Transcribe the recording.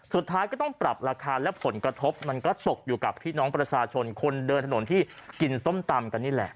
สุดท้ายก็ต้องปรับราคาและผลกระทบมันก็ตกอยู่กับพี่น้องประชาชนคนเดินถนนที่กินส้มตำกันนี่แหละ